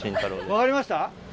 分かりました？